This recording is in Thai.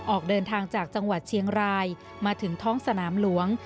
ออกเดินทางจากจังหวัดเชียงรายมาถึงท้องสนามหลวง